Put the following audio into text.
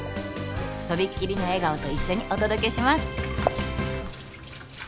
「とびっきりの笑顔と一緒にお届けします！」